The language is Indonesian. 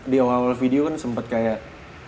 di awal awal video kan sempat kayak